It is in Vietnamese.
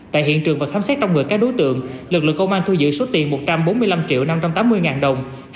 tại hiện trường và khám xét trong người các đối tượng lực lượng công an thu giữ số tiền một trăm bốn mươi năm triệu năm trăm tám mươi ngàn đồng